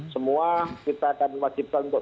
semua kita akan wajibkan untuk